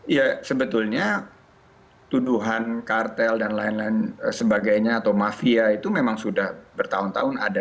ya sebetulnya tuduhan kartel dan lain lain sebagainya atau mafia itu memang sudah bertahun tahun ada